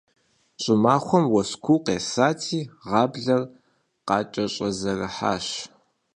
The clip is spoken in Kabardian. ЩӀымахуэм уэс куу къесати, гъаблэр къакӀэщӀэзэрыхьащ.